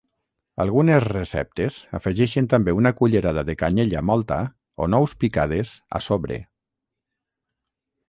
Algunes receptes afegeixen també una cullerada de canyella mòlta o nous picades a sobre.